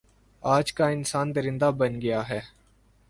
آج کا انسان درندہ بن گیا ہے